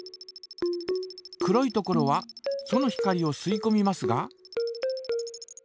黒いところはその光をすいこみますが。